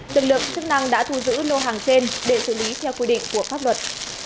lực lượng chức năng đã thu giữ lô hàng trên để xử lý theo quy định của pháp luật